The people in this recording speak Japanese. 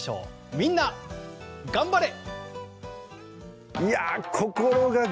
みんながん晴れ！